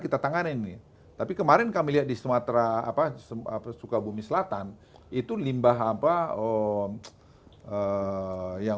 kita tangan ini tapi kemarin kami lihat di sumatera apa semua suka bumi selatan itu limbah apa oh yang